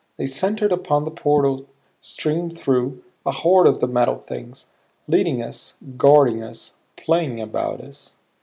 They centered upon the portal, streamed through a horde of the metal things, leading us, guarding us, playing about us.